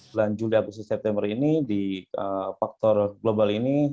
bulan juli agustus september ini di faktor global ini